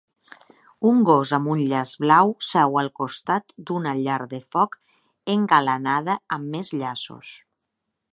Un gos amb un llaç blau seu al costat d'una llar de foc engalanada amb més llaços.